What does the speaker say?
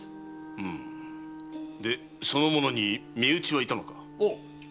うむその者に身内はいたのか？